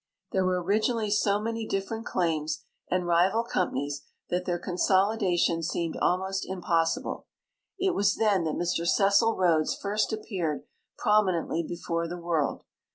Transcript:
There were originally so many different claims and rival com j)anies that their consolidation seemed almost impossible. It was then that Mr Cecil Rhodes first appeared prominently before the world.